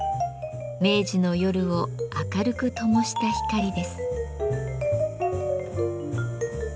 明治の夜を明るくともした光です。